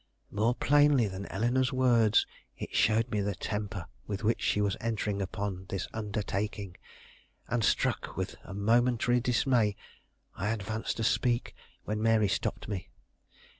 More plainly than Eleanore's words it showed me the temper with which she was entering upon this undertaking; and, struck with momentary dismay, I advanced to speak when Mary stopped me.